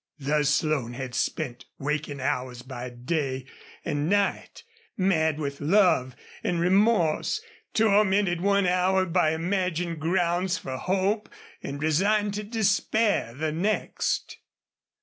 Thus Slone had spent waking hours by day and night, mad with love and remorse, tormented one hour by imagined grounds for hope and resigned to despair the next.